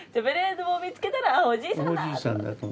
ベレー帽を見つけたらおじいさんだ。